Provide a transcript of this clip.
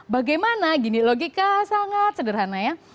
bagaimana gini logika sangat sederhana ya